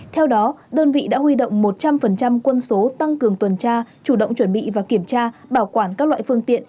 theo đó đơn vị đã huy động một trăm linh quân số tăng cường tuần tra chủ động chuẩn bị và kiểm tra bảo quản các loại phương tiện